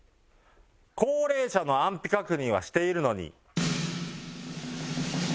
高齢者の安否確認はしているのに。